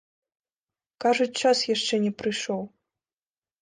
Кажуць, час яшчэ не прыйшоў.